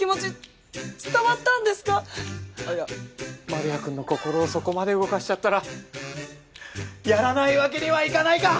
丸谷くんの心をそこまで動かしちゃったらやらないわけにはいかないか！